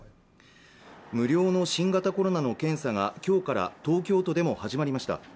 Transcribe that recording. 無料の新型コロナの検査がきょうから東京都でも始まりました